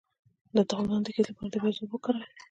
د تخمدان د کیست لپاره د پیاز اوبه وکاروئ